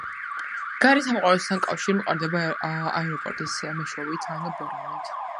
გარე სამყაროსთან კავშირი მყარდება აეროპორტის მეშვეობით ან ბორანით.